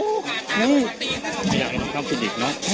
พี่ทำตามทันยาแล้วอะ